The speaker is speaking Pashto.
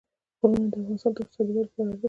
غرونه د افغانستان د اقتصادي ودې لپاره ارزښت لري.